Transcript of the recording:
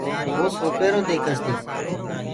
وو سوپيري ديکس تي۔